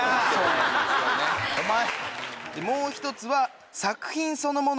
もう１つは。